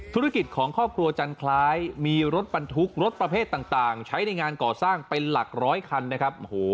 ธุรกิจของครอบครัวจันทรายมีรถบรรทุกรถประเภทต่างใช้ในงานก่อสร้างเป็นหลักร้อยคันนะครับ